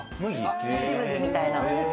もち麦みたいな。